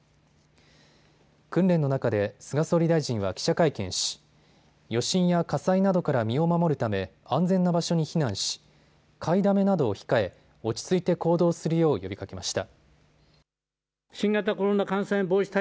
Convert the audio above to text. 訓練の中で菅総理大臣は記者会見し余震や火災などから身を守るため安全な場所に避難し買いだめなどを控え落ち着いて行動するよう呼びかけました。